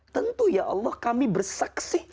tentu ya allah kami bersaksi